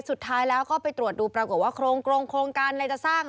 สุดท้ายแล้วก็ไปตรวจดูปรากฏว่าโครงโครงการอะไรจะสร้าง